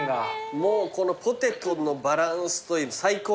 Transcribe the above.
もうこのポテトのバランスといい最高ですね。